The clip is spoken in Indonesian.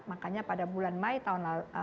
makanya pada bulan mei tahun lalu